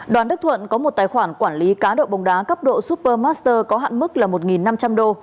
đoàn đức thuận có một tài khoản quản lý cáo độ bóng đá cấp độ supermaster có hạn mức một năm trăm linh đô